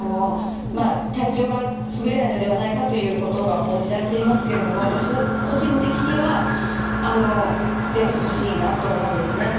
体調がすぐれないのではないかということが報じられていますけれども、私は個人的には出てほしいなと思うんですね。